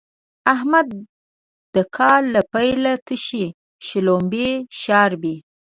احمد د کال له پيله تشې شلومبې شاربي.